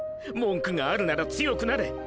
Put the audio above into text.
「文句があるなら強くなれ。